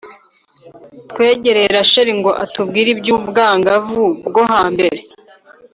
twegereye rachel ngo atubwire iby’ubwangavu bwo hambere